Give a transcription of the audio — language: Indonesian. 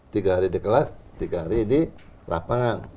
tiga hari di kelas tiga hari di lapangan